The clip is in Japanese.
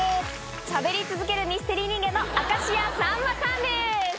しゃべり続けるミステリー人間の明石家さんまさんです！